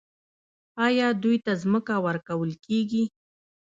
آیا دوی ته ځمکه ورکول کیږي؟